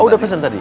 oh udah pesen tadi